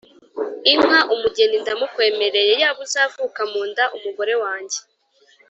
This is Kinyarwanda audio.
inka, umugeni ndamukwemereye. yaba uzavuka mu nda umugore wange